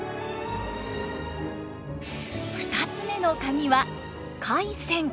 ２つ目のカギは廻船。